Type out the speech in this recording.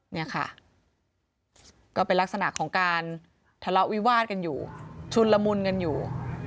เนี่ยค่ะก็เป็นลักษณะของการทะเลาะวิวาดกันอยู่ชุนละมุนกันอยู่